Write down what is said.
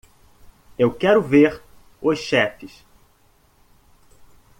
Eu quero ver os chefes.